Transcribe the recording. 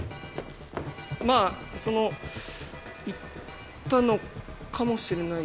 まあその言ったのかもしれない。